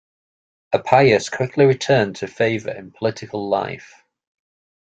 Appius quickly returned the favour in political life.